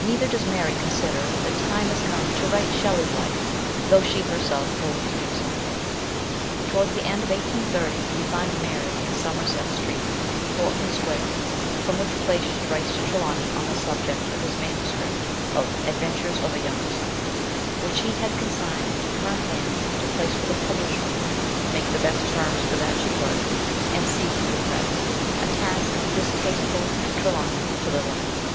Neither does Mary consider that the time has come to write Shelley's life, though she her self hopes to do so some day. Towards the end of 1830 we find Mary in Somerset Street, Portman Square, from which place she writes to Trelawny on the subject of his MS. of The Adven tures of a Younger Son, which he had consigned to her hands to place with a publisher, make the best terms for that she could, and see through the press ; a 182 MES. SHELLEY. task distasteful to Trelawny to the last.